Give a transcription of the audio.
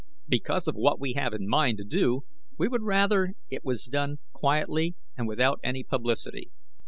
Because of what we have in mind to do we would rather it was done quietly and without any publicity.